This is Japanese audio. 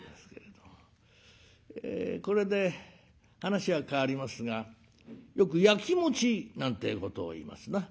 これで話は変わりますがよくやきもちなんてえことをいいますな。